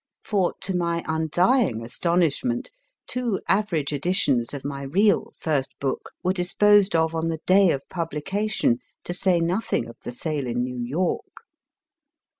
For, to my undying astonishment, two average editions of my real * first book were disposed of on the day of publication, to say nothing of the sale in New York.